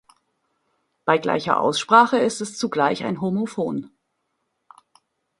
Bei gleicher Aussprache ist es zugleich ein Homophon.